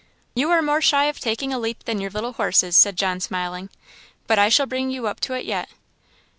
"You are more shy of taking a leap than your little horse is," said John, smiling; "but I shall bring you up to it yet.